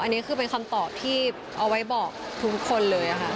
อันนี้คือเป็นคำตอบที่เอาไว้บอกทุกคนเลยค่ะ